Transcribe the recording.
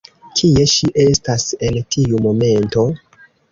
Kie ŝi estas en tiu momento?